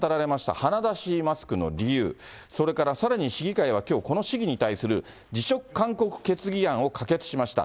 鼻出しマスクの理由、それからさらに市議会はきょうこの市議に対する辞職勧告決議案を可決しました。